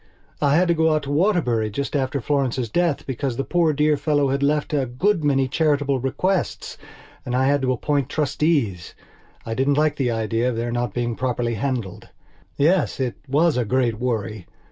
I had to go out to Waterbury just after Florence's death because the poor dear old fellow had left a good many charitable bequests and I had to appoint trustees. I didn't like the idea of their not being properly handled. Yes, it was a great worry.